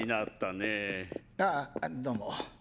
あぁどうも。